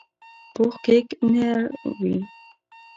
پوخ کیک نر وي